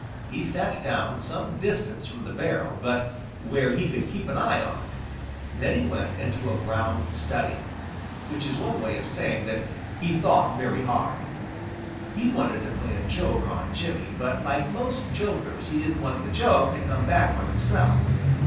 He sat down some distance from the barrel but where he could keep an eye on it. Then he went into a brown study, which is one way of saying that he thought very hard. He wanted to play a joke on Jimmy, but like most jokers he didn't want the joke to come back on himself.